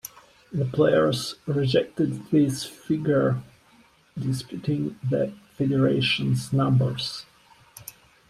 The players rejected this figure, disputing the Federation's numbers.